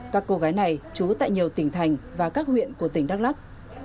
các cô gái này trú tại nhiều tỉnh thành và các huyện của tỉnh đắk lắc